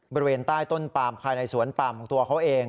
บริเวณใต้ต้นปามภายในสวนปามของตัวเขาเอง